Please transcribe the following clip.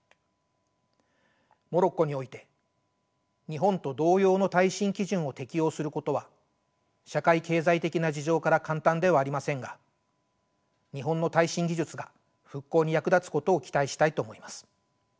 モロッコにおいて日本と同様の耐震基準を適用することは社会経済的な事情から簡単ではありませんが日本の耐震技術が復興に役立つことを期待したいと思います。